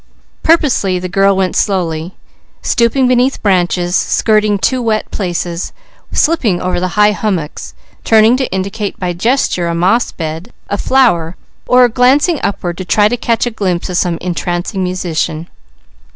Purposely the girl went slowly, stooping beneath branches, skirting too wet places, slipping over the high hummocks, turning to indicate by gesture a moss bed, a flower, or glancing upward to try to catch a glimpse of some entrancing musician.